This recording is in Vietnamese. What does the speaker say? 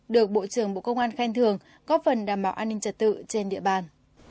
được bộ trưởng bộ công an khen thưởng có phần đảm bảo an ninh trật tự trên địa bàn